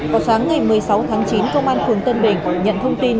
vào sáng ngày một mươi sáu tháng chín công an phường tân bình nhận thông tin